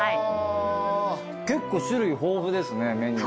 結構種類豊富ですねメニュー。